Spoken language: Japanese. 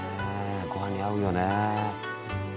ごはんに合うよね。